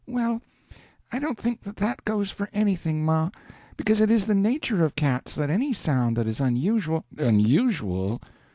"Well, I don't think that that goes for anything, ma, because it is the nature of cats that any sound that is unusual " "Unusual!